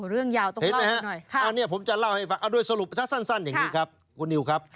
เรื่องยาวต้องเล่าหน่อยอันนี้ผมจะเล่าให้ฟังด้วยสรุปสั้นอย่างนี้ครับ